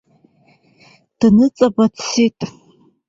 Дныҵаба дцеит!